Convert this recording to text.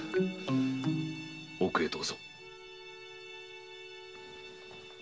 奥へどうぞ。